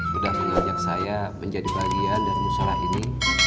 sudah mengajak saya menjadi bagian dari musola ini